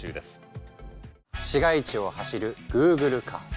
市街地を走るグーグルカー。